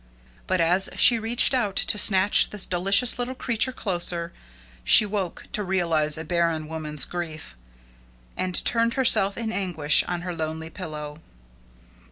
But as she reached out to snatch this delicious little creature closer, she woke to realize a barren woman's grief, and turned herself in anguish on her lonely pillow.